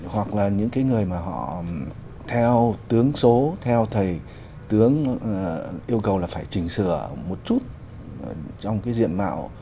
hoặc là những cái người mà họ theo tướng số theo thầy tướng yêu cầu là phải chỉnh sửa một chút trong cái diện mạo